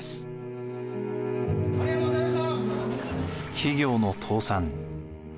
企業の倒産。